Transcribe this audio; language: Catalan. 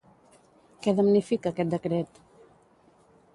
Què damnifica aquest decret?